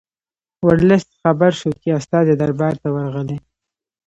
ورلسټ خبر شو چې استازي دربار ته ورغلي.